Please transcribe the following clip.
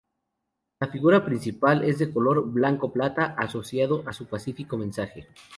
La figura principal es de color blanco-plata, asociado a su pacífico mensaje.